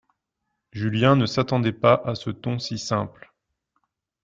Julien ne s'attendait pas à ce ton si simple.